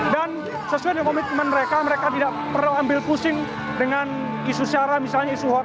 dan sesuai dengan komitmen mereka mereka tidak perlu ambil pusing dengan isu syara misalnya isu hoaks